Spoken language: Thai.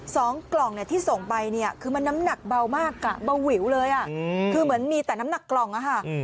สองกล่องเนี่ยที่ส่งไปเนี่ยคือมันน้ำหนักเบามากอ่ะเบาวิวเลยอ่ะคือเหมือนมีแต่น้ำหนักกล่องอะค่ะ